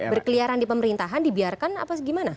berkeliaran di pemerintahan dibiarkan apa gimana